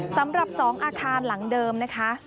สำหรับ๒อาคารหลังเดิมนะคะ